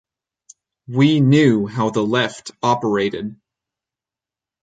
We knew how the Left operated.